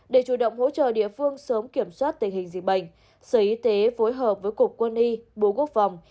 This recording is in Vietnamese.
để chủ động hỗ trợ địa phương sớm kiểm soát tình hình dịch bệnh sở y tế phối hợp với cục quân y bộ quốc phòng